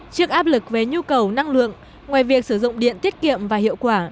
trước áp lực về nhu cầu năng lượng ngoài việc sử dụng điện tiết kiệm và hiệu quả